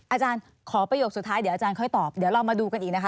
อาจารย์ขอประโยคสุดท้ายเดี๋ยวอาจารย์ค่อยตอบเดี๋ยวเรามาดูกันอีกนะคะ